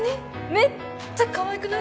めっちゃかわいくない？